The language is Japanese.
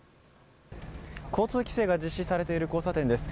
交通規制が実施されている交差点です。